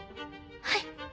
はい。